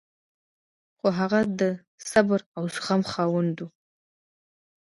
خو هغه د صبر او زغم خاوند و.